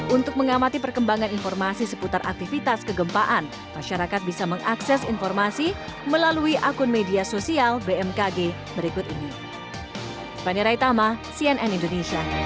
untuk mengamati perkembangan informasi seputar aktivitas kegempaan masyarakat bisa mengakses informasi melalui akun media sosial bmkg berikut ini